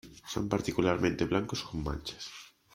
Son particularmente blancos con manchas.